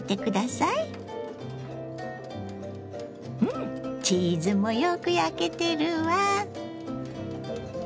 うんチーズもよく焼けてるわ！